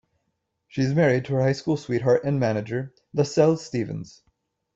She is married to her high school sweetheart and manager, Lascelles Stephens.